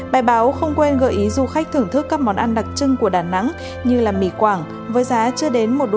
bài báo không quen gợi ý du khách thưởng thức các món ăn đặc trưng của đà nẵng như mì quảng với giá chưa đến một usd